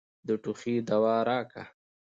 د ټوخي دوا راکه.